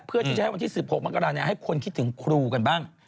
เพื่อที่จะให้วันที่๑๖มกราให้คนคิดถึงครูกันบ้าง